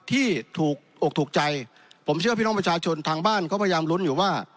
ที่ถูกอกถูกใจผมเชื่อพี่น้องประชาชนทางบ้านเขาพยายามลุ้นอยู่ว่า